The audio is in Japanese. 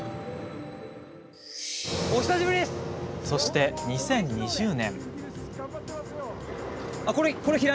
そして２０２０年。